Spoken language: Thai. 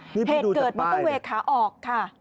เหตุเกิดมอเตอร์เวย์ขาออกค่ะ